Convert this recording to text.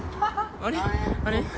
あれ？